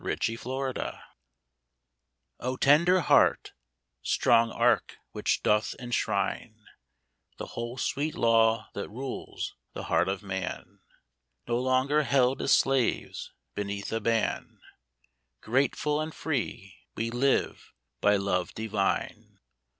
63 Ube Hvfti* TENDER Heart, strong Ark which doth enshrine The whole sweet law that rules the heart of man ; No longer held as slaves beneath a ban Grateful and free we live by love divine.